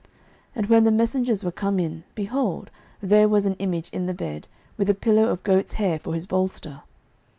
09:019:016 And when the messengers were come in, behold, there was an image in the bed, with a pillow of goats' hair for his bolster.